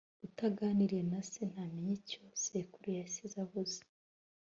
utaganiriye na se ntamenya icyo sekuru yasize avuze